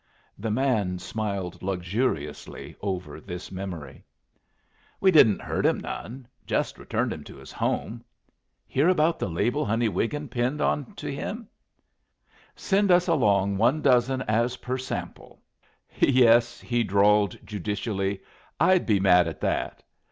The man smiled luxuriously over this memory. "We didn't hurt him none. Just returned him to his home. Hear about the label Honey Wiggin pinned on to him? 'Send us along one dozen as per sample.' Honey's quaint! Yes," he drawled judicially, "I'd be mad at that.